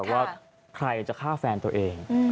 ให้สัมภาษณ์แบบว่าใครจะฆ่าแฟนตัวเอง